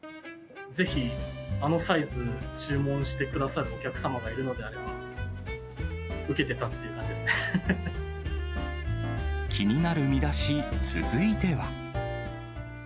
ぜひあのサイズ、注文してくださるお客様がいるのであれば、気になるミダシ、続いては。